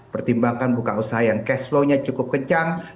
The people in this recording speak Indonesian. pertimbangkan buka usaha yang cash flow nya cukup kencang